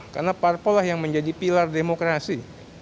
karena parpol lah yang menjadi pilar demokrasi